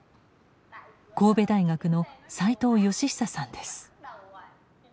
神戸大学の斉藤善久さんです。